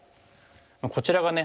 こちらがね